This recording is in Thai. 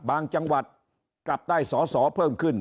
จังหวัดกลับได้สอสอเพิ่มขึ้น